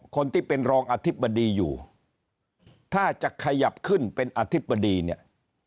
คนที่เป็นรองอธิบดีอยู่ถ้าจะขยับขึ้นเป็นอธิบดีเนี่ย